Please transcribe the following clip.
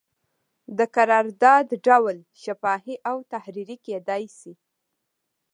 د قرارداد ډول شفاهي او تحریري کیدی شي.